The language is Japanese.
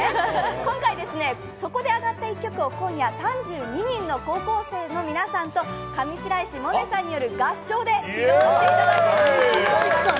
今回そこで挙がった１曲を、今夜高校生３２人と上白石萌音さんによる合唱で披露していただきます。